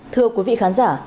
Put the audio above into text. thưa quý vị khán giả